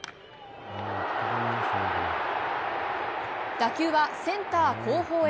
打球はセンター後方へ。